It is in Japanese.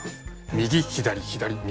右左左右。